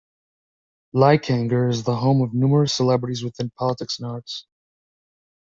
Leikanger is the home of numerous celebrities within politics and arts.